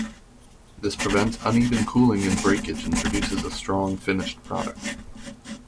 This prevents uneven cooling and breakage and produces a strong finished product.